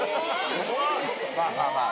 まあまあまあ